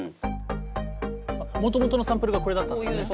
もともとのサンプルがこれだったんですね。